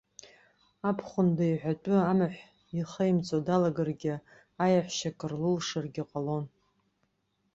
Абхәында иҳәатәы амаҳә ихеимҵо далагаргьы, аиаҳәшьа кыр лылшаргьы ҟалон.